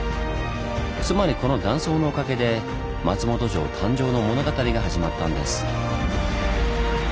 つまりこの断層のおかげで松本城誕生の物語が始まったんです。